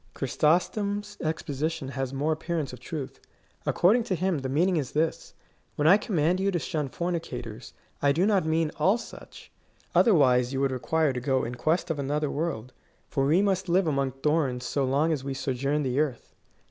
Chrysostom's exposition has more appearance of truth. According to him, the mean ing is this :" When I command you to shun fornicators, I do not mean all such ; otherwise you would require to go in quest of another world ; for we must live among thorns so long as we sojourn on earth.